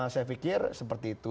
saya pikir seperti itu